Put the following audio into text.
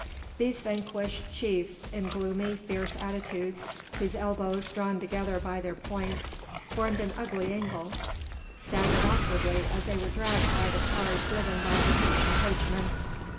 These vanquished chiefs, in gloomy, fierce attitudes, whose elbows, drawn together by their points, formed an ugly angle, staggered awkwardly as they were dragged by the cars driven by Egyptian coachmen.